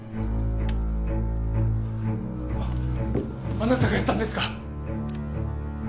あなたがやったんですか？